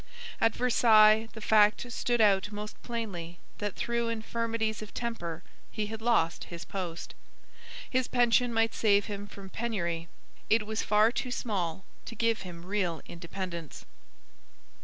At Versailles the fact stood out most plainly that through infirmities of temper he had lost his post. His pension might save him from penury. It was far too small to give him real independence.